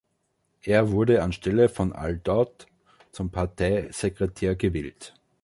Er wurde anstelle von Al-Daud zum Parteisekretär gewählt.